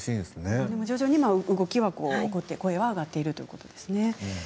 徐々に動きがあって声が上がっているということですね。